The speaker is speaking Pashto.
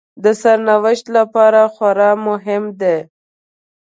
د سرنوشت لپاره خورا مهم دي